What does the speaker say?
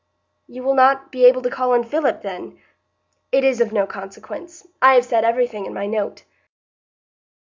"You will not be able to call on Philip, then? It is of no consequence; I have said everything in my note."